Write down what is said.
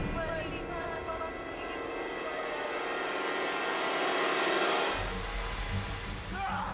kau lihat apa aku ingin berusaha